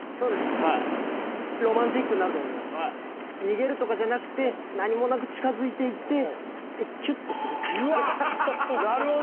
はい逃げるとかじゃなくて何もなく近づいていってチュッてするタイプなるほど！